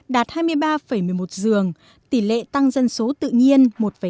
đạt hai mươi ba một mươi một dường tỷ lệ tăng dân số tự nhiên một hai mươi hai